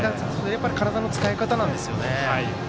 やっぱり体の使い方なんですよね。